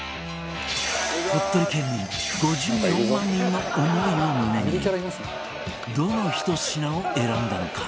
鳥取県民５４万人の思いを胸にどのひと品を選んだのか？